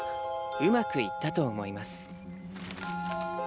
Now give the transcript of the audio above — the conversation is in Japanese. うまくいったと思います。